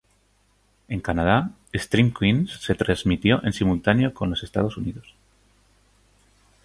En Canadá, "Scream Queens" se transmitió en simultáneo con los Estados Unidos.